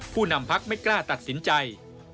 ผู้นำพักไม่กล้าตัดสินใจ